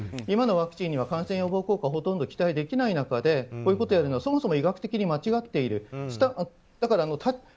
今のワクチンに感染予防効果はほとんどない中でこういうことをやるのはそもそも医学的に間違っている。